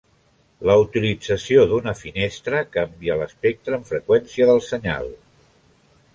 La utilització d'una finestra canvia l'espectre en freqüència del senyal.